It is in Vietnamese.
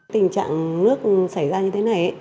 tình trạng nước xảy ra như thế này